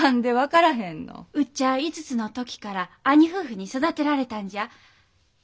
うっちゃあ五つの時から兄夫婦に育てられたんじゃ。